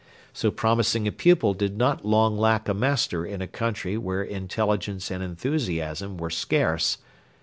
So promising a pupil did not long lack a master in a country where intelligence and enthusiasm were scarce.